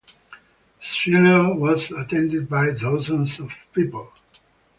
His funeral was attended by thousands of people.